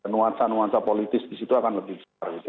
nuansa nuansa politis di situ akan lebih besar gitu